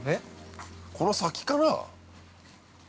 この先かな？